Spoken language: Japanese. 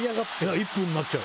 １分になっちゃう。